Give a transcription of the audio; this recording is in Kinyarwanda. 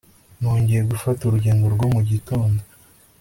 nongeye gufata urugendo rwo mu gitondo